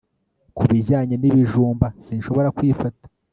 Ku bijyanye nibijumba sinshobora kwifata